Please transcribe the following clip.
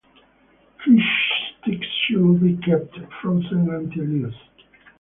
Fish sticks should be kept frozen until use.